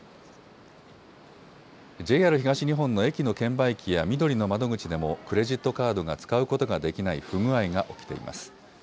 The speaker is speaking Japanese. ＪＲ東日本の駅の券売機やみどりの窓口でもクレジットカードが使うことができない不具合が起きています。